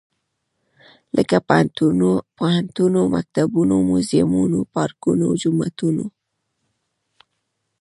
لکه پوهنتونه ، مکتبونه موزيمونه، پارکونه ، جوماتونه.